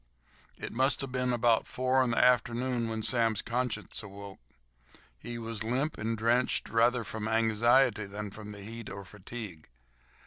It must have been about four in the afternoon when Sam's conscience awoke. He was limp and drenched, rather from anxiety than the heat or fatigue.